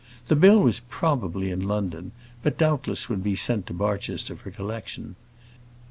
The bill was probably in London, but doubtless would be sent to Barchester for collection.